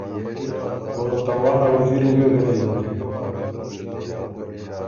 او ته وانړ ا وزیری ګه غلِئ بُکِن۔